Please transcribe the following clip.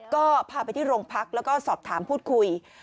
ก็พาไปที่โรงพักแล้วก็สอบถามพูดคุย